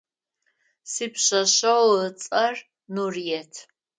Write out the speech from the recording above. Сипшъэшъэгъу ыцӏэр Нурыет.